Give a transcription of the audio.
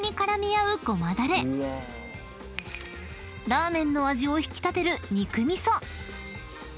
［ラーメンの味を引き立てる肉味噌］